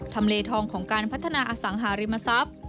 เลทองของการพัฒนาอสังหาริมทรัพย์